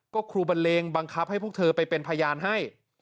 ก็ครูบันเลงบังคับให้พวกเธอไปเป็นพยานให้